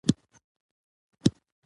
د هغې ږغ ويني په جوش راوستلې وې.